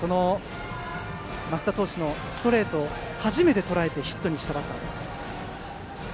升田投手のストレートを初めてとらえてヒットにしたバッターです。